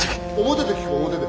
表で聞く表で。